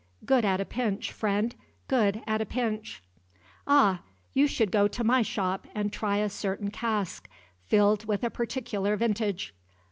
Good at a pinch, friend good at a pinch." "Ah! you should go to my shop and try a certain cask, filled with a particular vintage."